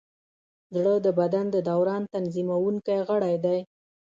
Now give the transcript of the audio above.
زړه د بدن د دوران تنظیمونکی غړی دی.